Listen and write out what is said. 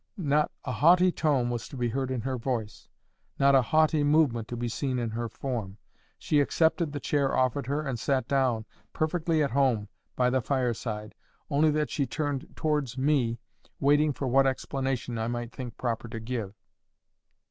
Not a haughty tone was to be heard in her voice; not a haughty movement to be seen in her form. She accepted the chair offered her, and sat down, perfectly at home, by the fireside, only that she turned towards me, waiting for what explanation I might think proper to give.